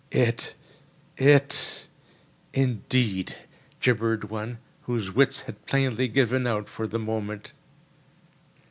"It—it—indeed!" gibbered one, whose wits had plainly given out for the moment.